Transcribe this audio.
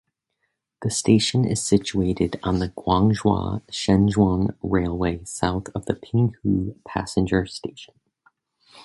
The station is situated on the Guangzhou–Shenzhen railway south of the Pinghu passenger station.